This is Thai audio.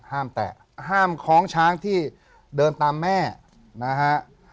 แตะห้ามคล้องช้างที่เดินตามแม่นะฮะ